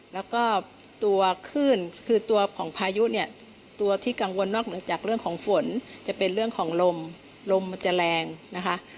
แล้วก็ตัวคลื่นคือตัวของพายุเนี่ยตัวที่กังวลนอกเหนือจากเรื่องของฝนจะเป็นเรื่องของลมลมมันจะแรงนะคะ